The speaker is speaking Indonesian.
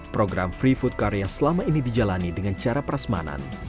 program free food karya selama ini dijalani dengan cara prasmanan